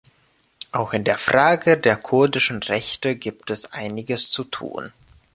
Auch in der Frage der kurdischen Rechte gibt es Einiges zu tun.